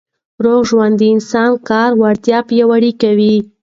روغ ژوند د انسان کاري وړتیا پیاوړې کوي.